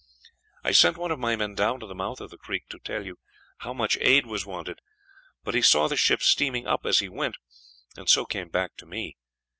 "I sent one of my men down to the mouth of the creek, to tell you how much aid was wanted; but he saw the ship steaming up as he went, and so came back to me.